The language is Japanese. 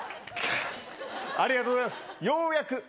ありがとうございます、ようやく。